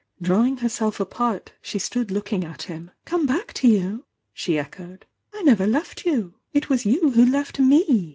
ing herself apart, she stood looking at him. "Come back to you!" she echoed— "I never left you! It was you who left me.'